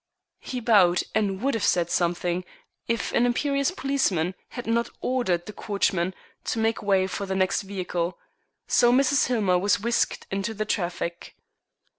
He bowed, and would have said something if an imperious policeman had not ordered the coachman to make way for the next vehicle. So Mrs. Hillmer was whisked into the traffic.